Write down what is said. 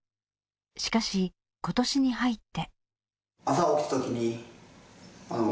しかし今年に入って。